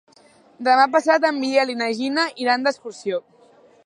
Demà passat en Biel i na Gina iran d'excursió.